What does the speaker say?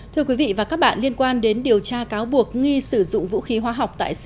thưa quý vị và các bạn liên quan đến điều tra cáo buộc nghi sử dụng vũ khí hóa học tại syri